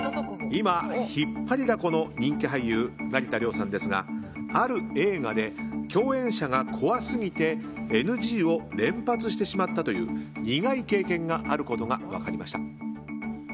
今、引っ張りだこの人気俳優成田凌さんですがある映画で共演者が怖すぎてＮＧを連発してしまったという苦い経験があることが分かりました。